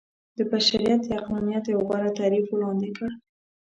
د بشريت د عقلانيت يو غوره تعريف وړاندې کړ.